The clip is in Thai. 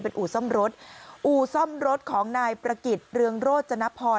อู่ซ่อมรถอู่ซ่อมรถของนายประกิจเรืองโรจนพร